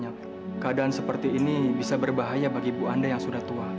ya keadaan seperti ini bisa berbahaya bagi ibu anda yang sudah tua